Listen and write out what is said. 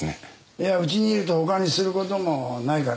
いやうちにいると他にすることもないから。